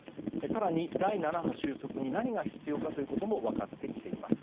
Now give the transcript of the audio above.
更に、第７波収束に何が必要かも分かってきています。